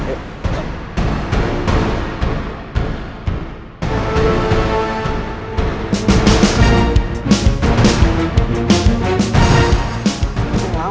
mas kamu apa apaan sih roman